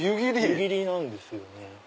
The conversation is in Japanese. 湯切りなんですよね。